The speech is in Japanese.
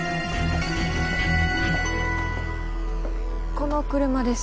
この車です。